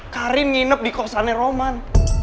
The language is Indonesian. karin nginep di kosannya roman